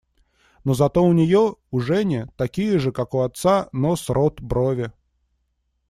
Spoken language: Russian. Но зато у нее, у Жени, такие же, как у отца, нос, рот, брови.